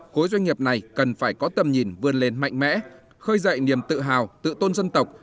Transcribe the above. khối doanh nghiệp này cần phải có tầm nhìn vươn lên mạnh mẽ khơi dậy niềm tự hào tự tôn dân tộc